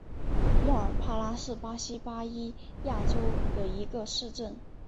莫尔帕拉是巴西巴伊亚州的一个市镇。